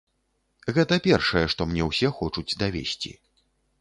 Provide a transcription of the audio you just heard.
Гэта першае, што мне ўсе хочуць давесці.